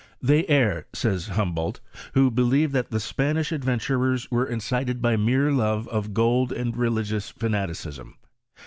They err," says Humboldt, " who be lieve that the Spanish adventurers were incited by mere love of gold and religious fanaticism.